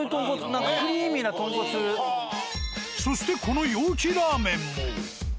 何かそしてこの陽気ラーメンも。